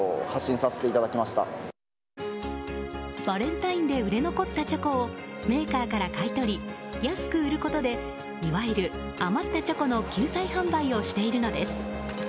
バレンタインで売れ残ったチョコをメーカーから買い取り安く売ることでいわゆる余ったチョコの救済販売をしているのです。